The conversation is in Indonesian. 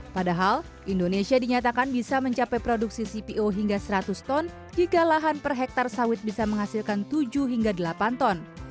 padahal indonesia dinyatakan bisa mencapai produksi cpo hingga seratus ton jika lahan per hektare sawit bisa menghasilkan tujuh hingga delapan ton